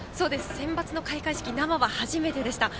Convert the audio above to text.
センバツの開会式生は初めてでした。